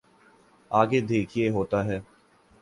آگے دیکھیے ہوتا ہے۔